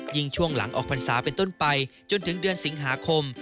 ช่วงหลังออกพรรษาเป็นต้นไปจนถึงเดือนสิงหาคม